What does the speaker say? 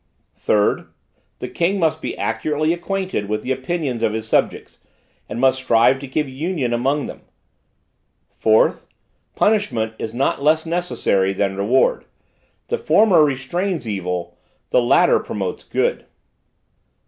"3d. The king must be accurately acquainted with the opinions of his subjects, and must strive to keep union among them. "4th. Punishment is not less necessary than reward. The former restrains evil; the latter promotes good.